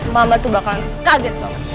mama tuh bakal kaget banget